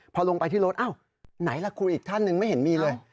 พอลงไปที่รถอ้าวไหนล่ะครูอีกท่านหนึ่งไม่เห็นมีเลย